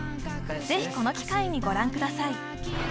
ぜひこの機会にご覧ください